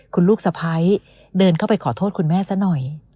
คุณลูกสะพ้ายเดินเข้าไปขอโทษคุณแม่ซะหน่อย